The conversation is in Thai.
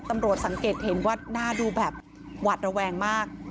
ตำรวจสังเกตเห็นว่าหน้าดูแบบหวาดระแวงมาก